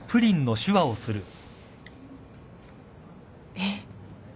えっ。